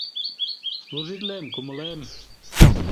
— Служитлем, кумылем!